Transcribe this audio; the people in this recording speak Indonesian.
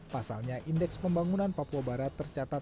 pasalnya indeks pembangunan papua barat tercatat